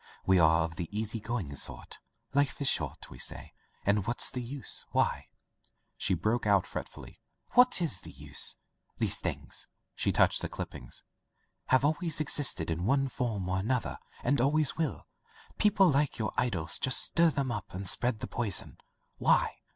We are of the easy going sort. 'Life is short,' we say, and * what's the use?' Why," she broke out fretfully, "what is the use? These things" — she touched the clippings, "have always existed in one form or another, and always will. Peo ple like your idol just stir them up and spread the poison. Why